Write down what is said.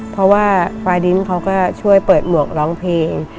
เพราะว่าฟาดินเขาก็ช่วยเปิดหมวกร้องเพลง